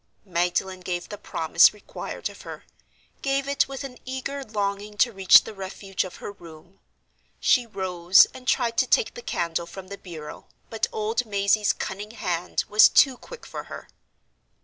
Magdalen gave the promise required of her—gave it with an eager longing to reach the refuge of her room. She rose, and tried to take the candle from the bureau, but old Mazey's cunning hand was too quick for her.